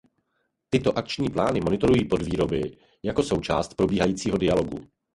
Tyto akční plány monitorují podvýbory jako součást probíhajícího dialogu.